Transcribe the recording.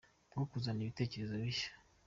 bwo kuzana ibitekerezo bishya